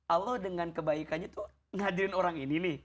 allah dengan kebaikannya tuh ngadirin orang ini nih